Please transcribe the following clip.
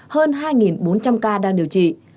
hơn hai bốn trăm linh ca đang điều trị